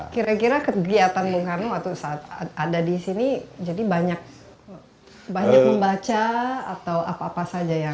kira kira kegiatan bung karno waktu saat ada di sini jadi banyak membaca atau apa apa saja yang